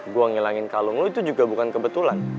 gue ngilangin kalung lu itu juga bukan kebetulan